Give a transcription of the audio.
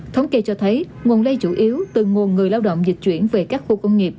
thống kê cho thấy nguồn lây chủ yếu từ nguồn người lao động dịch chuyển về các khu công nghiệp